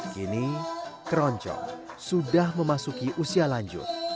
kini keroncong sudah memasuki usia lanjut